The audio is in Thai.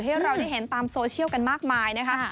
ให้เราได้เห็นตามโซเชียลกันมากมายนะคะ